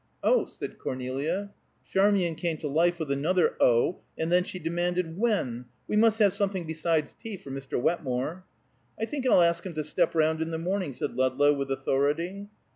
"Oh!" said Cornelia. Charmian came to life with another "Oh!" and then she demanded. "When? We must have something besides tea for Mr. Wetmore." "I think I'll ask him to step round in the morning," said Ludlow, with authority.